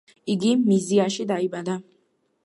იგი მიზიაში დაიბადა.